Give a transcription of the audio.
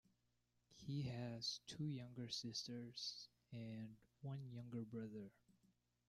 He has two younger sisters and one younger brother.